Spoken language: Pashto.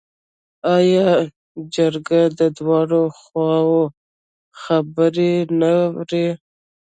آیا جرګه د دواړو خواوو خبرې نه اوري؟